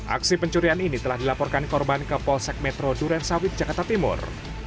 aksi pencurian ini telah dilaporkan korban ke polsek metro duren sawit jakarta timur